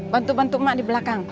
bantu bantu mak di belakang